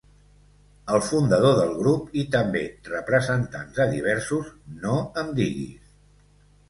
El fundador del grup, i també representants de diversos "No em diguis!".